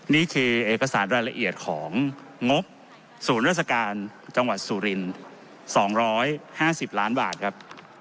นี่คือเอกสารรายละเอียดของงบศูนย์รัฐกาลจังหวัดสูรินสองร้อยห้าสิบล้านบาทครับ